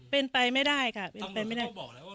เป็นไปไม่ได้ค่ะเป็นไปไม่ได้